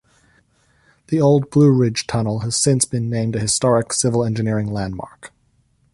The old Blue Ridge Tunnel has since been named a Historic Civil Engineering Landmark.